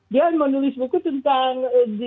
dia menulis buku tentang